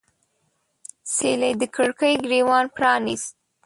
سیلۍ د کړکۍ ګریوان پرانیست